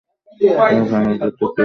তুই ফাইজালকে হত্যা করেছিস, তাই না!